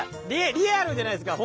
リアルじゃないですか。